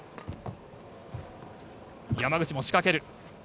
山口も仕掛ける。